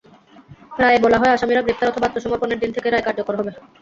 রায়ে বলা হয়, আসামিরা গ্রেপ্তার অথবা আত্মসমর্পণের দিন থেকে রায় কার্যকর হবে।